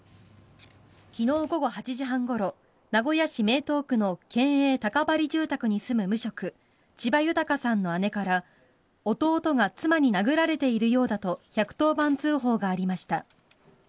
昨日午後８時半ごろ名古屋市名東区の県営高針住宅に住む、無職千葉豊さんの姉から弟が妻に殴られているようだと１１０番通報がありました。